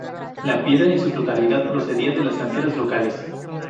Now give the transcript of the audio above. La piedra, en su totalidad, procedía de las canteras locales.